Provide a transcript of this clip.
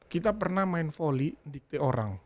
kita pernah main volley dikti orang